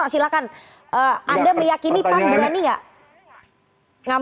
silahkan anda meyakini pan berani nggak